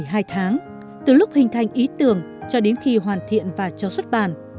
chưa đầy hai tháng từ lúc hình thành ý tưởng cho đến khi hoàn thiện và cho xuất bản